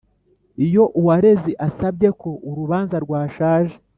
Iyo uwareze asabye ko urubanza rwashaje